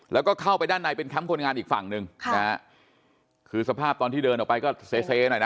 แล้วก็เข้าไปด้านในเป็นแคมป์คนงานอีกฝั่งหนึ่งค่ะนะฮะคือสภาพตอนที่เดินออกไปก็เซเซหน่อยนะ